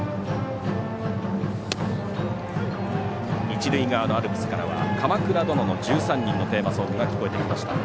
一塁側のアルプスからは「鎌倉殿の１３人」のテーマソングが聞こえてきました。